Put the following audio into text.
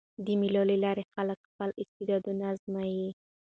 د مېلو له لاري خلک خپل استعدادونه آزمويي.